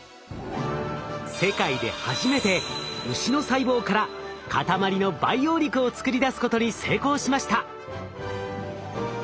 世界で初めて牛の細胞から塊の培養肉を作り出すことに成功しました。